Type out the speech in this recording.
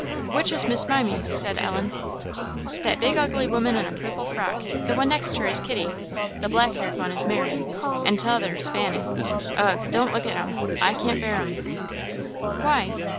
"Which is Miss Mimy?" said Ellen. "That big ugly woman in a purple frock. The one next her is Kitty the black haired one is Mary, and t'other is Fanny. Ugh! don't look at 'em; I can't bear 'em." "Why?"